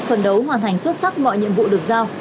phần đấu hoàn thành xuất sắc mọi nhiệm vụ được giao